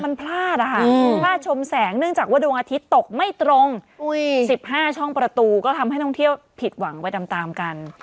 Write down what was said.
มันพลาดนะคะพลาดชมแสงเนื่องจากว่าดวงอาทิตย์ตกไม่ตรง๑๕ช่องประตูก็ทำให้ท่องเที่ยวผิดหวังไปตามกัน